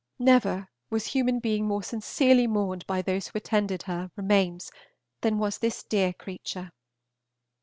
Never was human being more sincerely mourned by those who attended her remains than was this dear creature.